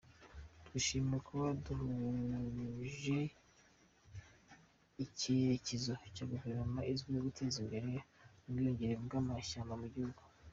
Twishimiye kuba duhuje icyerekezo na guverinoma izwiho guteza imbere ubwiyongere bw’amashyamba mu gihugu.